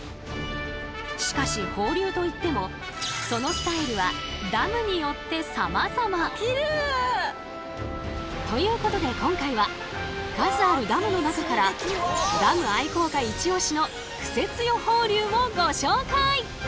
しかし放流といってもそのスタイルはダムによってさまざま。ということで今回は数あるダムの中からダム愛好家ご紹介！